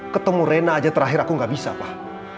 ketemu rena aja terakhir aku gak bisa pak